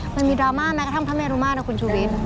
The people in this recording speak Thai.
มันมีดราม่าไหมกระทั่งทะเมรุมาตรนะคุณชูเวท